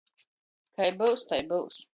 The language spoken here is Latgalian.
Kai byus, tai byus!